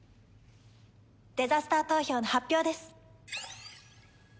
デザスター投票の発表です。